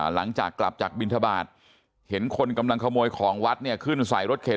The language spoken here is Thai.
หลังจากกลับจากบินทบาทเห็นคนกำลังขโมยของวัดเนี่ยขึ้นใส่รถเข็น